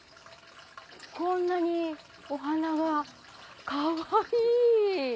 こんなにお花がかわいい。